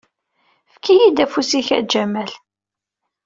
Efk-iyi-d afus-ik a Ǧamal.